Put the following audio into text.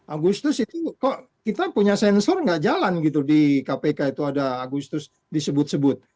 agustus itu kok kita punya sensor nggak jalan gitu di kpk itu ada agustus disebut sebut